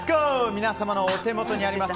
皆様のお手元にあります